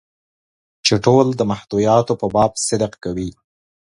چې ټول د محتویاتو په باب صدق کوي.